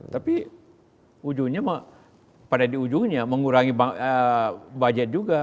tapi ujungnya pada di ujungnya mengurangi budget juga